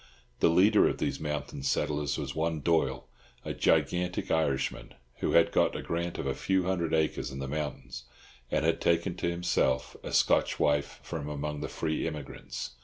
The leader of these mountain settlers was one Doyle, a gigantic Irishman, who had got a grant of a few hundred acres in the mountains, and had taken to himself a Scotch wife from among the free immigrants.